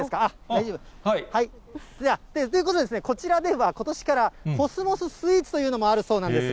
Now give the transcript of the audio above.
大丈夫。ということで、こちらではことしからコスモススイーツというのもあるそうなんです。